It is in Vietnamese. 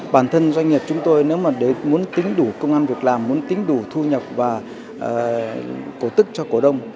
bản thân doanh nghiệp chúng tôi nếu mà muốn tính đủ công an việc làm muốn tính đủ thu nhập và cổ tức cho cổ đông